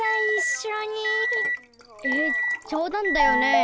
えじょうだんだよね？